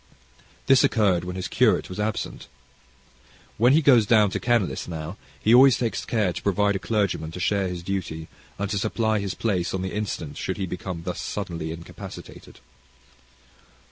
This occurred when his curate was absent. When he goes down to Kenlis now, he always takes care to provide a clergyman to share his duty, and to supply his place on the instant should he become thus suddenly incapacitated.